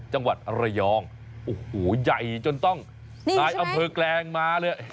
จังหวัดระยองโอ้โหใหญ่จนต้องนายอำเภอแกลงมาเลย